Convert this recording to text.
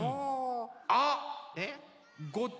あっ！